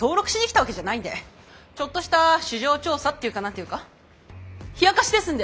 ちょっとした市場調査っていうか何ていうか冷やかしですんで！